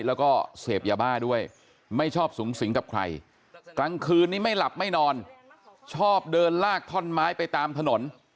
แล้วก็เสพยาบ้าด้วยไม่ชอบสูงสิงกับใครกลางคืนนี้ไม่หลับไม่นอนชอบเดินลากท่อนไม้ไปตามถนน